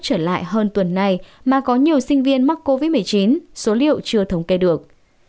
trở lại hơn tuần này mà có nhiều sinh viên mắc covid một mươi chín số liệu chưa thống kê được